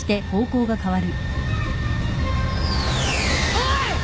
おい！